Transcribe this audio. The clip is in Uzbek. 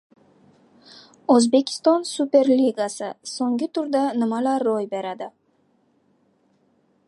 O‘zbekiston Superligasi. So‘nggi turda nimalar ro‘y berdi?